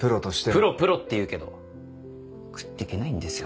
プロプロって言うけど食っていけないんですよ